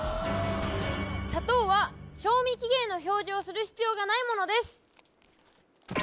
砂糖は賞味期限の表示をする必要がないものです